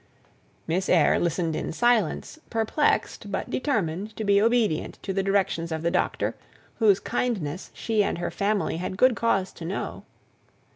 Miss Eyre listened in silence, perplexed but determined to be obedient to the directions of the doctor, whose kindness she and her family had good cause to know.